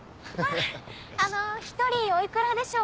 あの１人お幾らでしょうか？